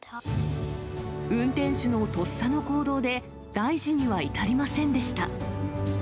運転手のとっさの行動で、大事には至りませんでした。